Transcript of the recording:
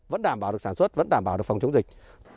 vẫn đảm bảo được sản xuất vẫn đảm bảo được phòng chống dịch